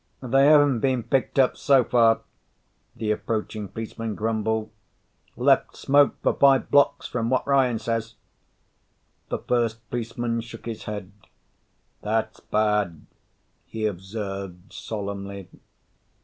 "They haven't been picked up so far," the approaching policeman grumbled. "Left smoke for five blocks, from what Ryan says." The first policeman shook his head. "That's bad," he observed solemnly.